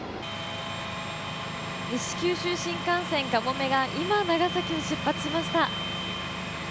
西九州新幹線「かもめ」が今、長崎を出発しました。